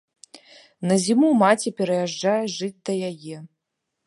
На зіму маці пераязджае жыць да яе.